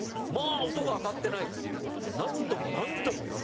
音が当たってないっていう事で何度も何度もやるんですよ。